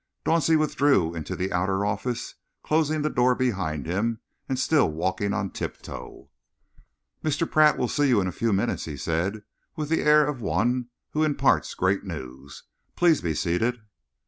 Dauncey withdrew into the outer office, closing the door behind him and still walking on tiptoe. "Mr. Pratt will see you in a few minutes," he said, with the air of one who imparts great news. "Please be seated."